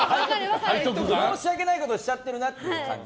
申し訳ないことをしちゃってるなって感じ。